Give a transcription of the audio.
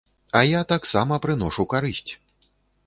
А я таксама прыношу карысць.